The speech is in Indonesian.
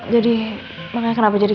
jadi kenapa jadi seperti ini